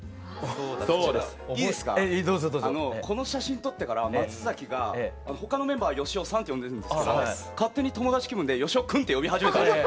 この写真撮ってから松崎が他のメンバー芳雄さんって呼んでるんですけど勝手に友達気分で芳雄くんって呼び始めたんです。